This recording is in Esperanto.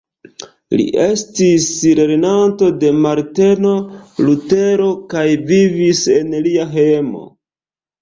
Li estis lernanto de Marteno Lutero kaj vivis en lia hejmo.